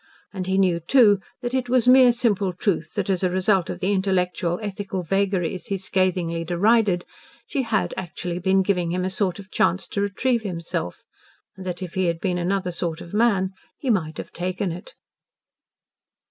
And he knew, too, that it was mere simple truth that, as a result of the intellectual, ethical vagaries he scathingly derided she had actually been giving him a sort of chance to retrieve himself, and that if he had been another sort of man he might have taken it.